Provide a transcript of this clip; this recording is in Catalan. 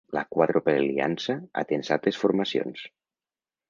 La quàdruple aliança ha tensat les formacions.